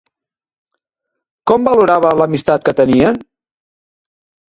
Com valorava l'amistat que tenien?